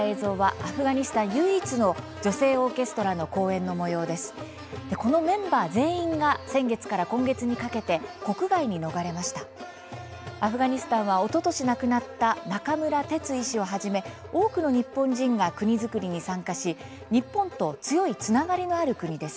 アフガニスタンはおととし亡くなった中村哲医師をはじめ多くの日本人が国造りに参加し日本と強いつながりのある国です。